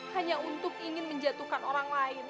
hanya untuk ingin menjatuhkan orang lain